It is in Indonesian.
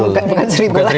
sekarang bukan seribu lagi